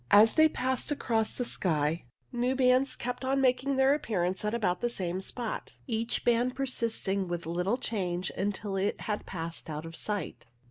As they passed across the sky new bands kept on making their appearance at about the same spot, each band persisting with little change until it had passed out of sight.